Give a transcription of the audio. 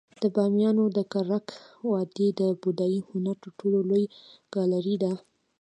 د بامیانو د ککرک وادي د بودايي هنر تر ټولو لوی ګالري ده